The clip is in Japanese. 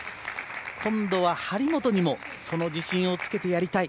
今度は、張本にもその自信をつけてやりたい。